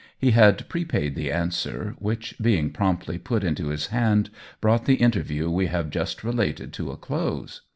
He had prepaid the an swer, which, being promptly put into his hand, brought the interview we have just related to a close.